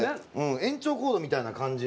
延長コードみたいな感じの。